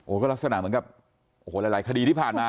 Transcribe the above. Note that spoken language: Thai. ก็ลักษณะเหมือนกับโอ้โหหลายคดีที่ผ่านมา